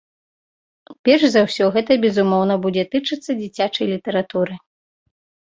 Перш за ўсё гэта, безумоўна, будзе тычыцца дзіцячай літаратуры.